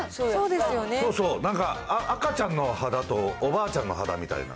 そうそう、なんか赤ちゃんの肌とおばあちゃんの肌みたいな。